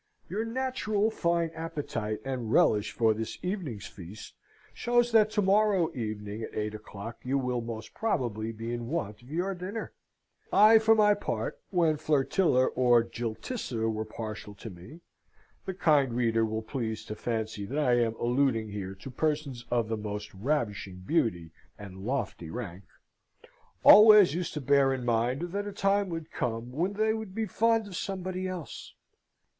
Your natural fine appetite and relish for this evening's feast, shows that to morrow evening at eight o'clock you will most probably be in want of your dinner. I, for my part, when Flirtilla or Jiltissa were partial to me (the kind reader will please to fancy that I am alluding here to persons of the most ravishing beauty and lofty rank), always used to bear in mind that a time would come when they would be fond of somebody else.